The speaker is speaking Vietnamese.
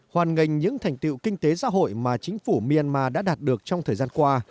hoàn ngành những thành tiệu kinh tế xã hội mà chính phủ myanmar đã đạt được trong thời gian qua